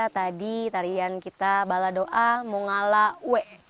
tadi tarian kita baladoa mongala ue